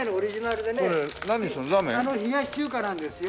冷やし中華なんですよ。